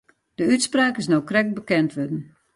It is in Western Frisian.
De útspraak is no krekt bekend wurden.